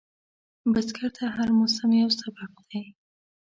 بزګر ته هر موسم یو سبق دی